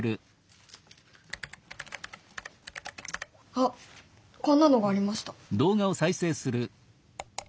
あっこんなのがありました。